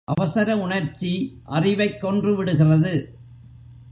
அவசர உணர்ச்சி அறிவைக் கொன்று விடுகிறது.